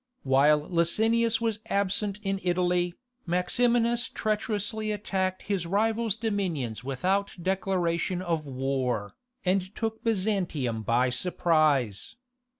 While Licinius was absent in Italy, Maximinus treacherously attacked his rival's dominions without declaration of war, and took Byzantium by surprise.